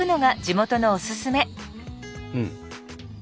うん！